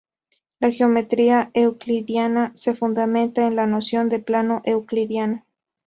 La geometría euclidiana se fundamenta en la noción de "plano euclidiano".